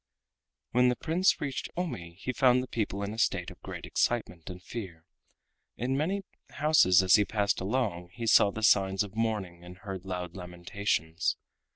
When the Prince reached Omi he found the people in a state of great excitement and fear. In many houses as he passed along he saw the signs of mourning and heard loud lamentations.